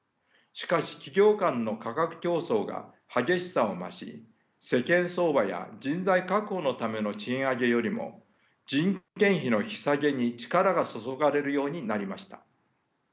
しかし企業間の価格競争が激しさを増し世間相場や人材確保のための賃上げよりも人件費の引き下げに力が注がれるようになりました。